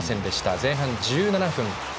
前半１７分。